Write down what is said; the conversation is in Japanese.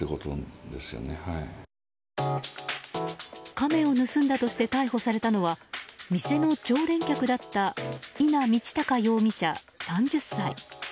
カメを盗んだとして逮捕されたのは店の常連客だった伊奈路旅容疑者、３０歳。